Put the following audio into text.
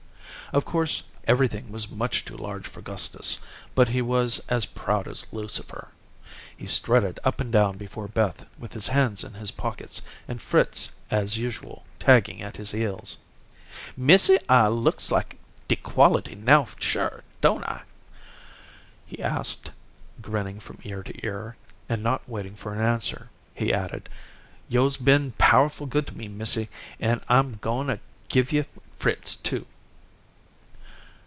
Of course, everything was much too large for Gustus, but he was as proud as Lucifer. He strutted up and down before Beth with his hands in his pockets and Fritz as usual tagging at his heels. "Missy, I looks like de quality now shure, don't I?" he asked, grinning from ear to ear; and, not waiting for an answer, he added, "Yo'se been powerful good to me, missy, an' I'm goin' to give yo' Fritz, too."